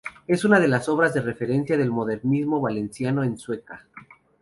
Es una de las obras de referencia del modernismo valenciano en Sueca.